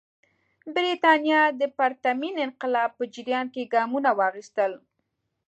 برېټانیا د پرتمین انقلاب په جریان کې ګامونه واخیستل.